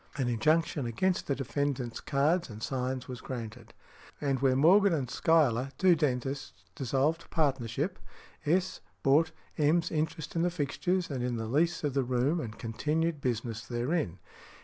An injunction against the defendant's cards and signs was granted . |173| And where Morgan and Schuyler, two dentists, dissolved partnership, S. bought M.'s interest in the fixtures and in the lease of the room, and continued business therein.